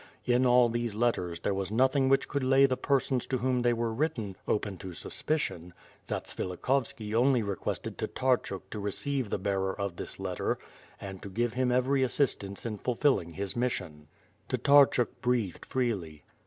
In all these letters, there was nothing which could lay the persons to whom they were written, open to suspicion. Zatsvilikhovski only requested Tatarehuk to receive the bearer of the letter, and to give him every assistance in ful filling his mission. Tatarehuk breathed freely.